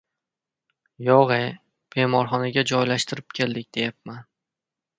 — Yo‘g‘-ye, bemorxonaga joylashtirib keldik, deyapman.